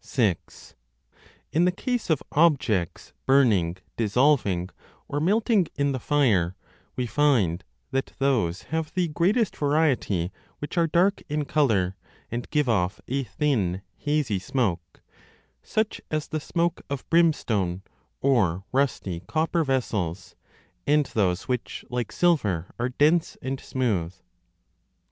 3 (6) In the case of objects burning, dissolving, or melting in the fire, we find that those have the greatest variety which are dark in colour and give off a thin hazy smoke, 5 such as the smoke of brimstone or rusty copper vessels, and those which, like silver, are dense and smooth.